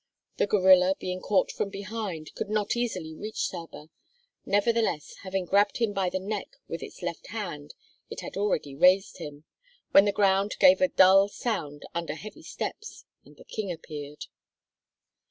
The gorilla, being caught from behind, could not easily reach Saba; nevertheless, having grabbed him by the neck with its left hand it had already raised him, when the ground gave a dull sound under heavy steps and the King appeared.